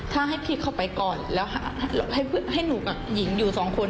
ถ้าให้พี่เข้าไปก่อนแล้วให้หนูกับหญิงอยู่สองคน